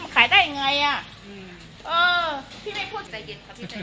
มันขายได้ยังไงอ่ะเออพี่ไม่พูดใจเย็นครับพี่